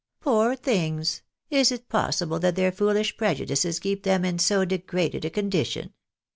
" Poor things ! Is it possible that their foolish prejudices keep them in so degraded a condition